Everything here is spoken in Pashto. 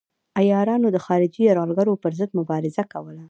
عیارانو د خارجي یرغلګرو پر ضد مبارزه کوله.